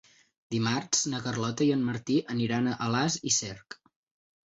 Dimarts na Carlota i en Martí aniran a Alàs i Cerc.